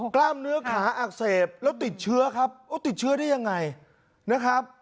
กล้ามเนื้อขาอักเสบแล้วติดเชื้อครับติดเชื้อได้ยังไงนะครับ